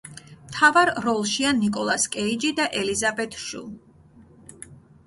მთავარ როლშია ნიკოლას კეიჯი და ელიზაბეთ შუ.